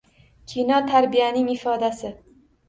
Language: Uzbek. Kino – tarbiyaning ifodasi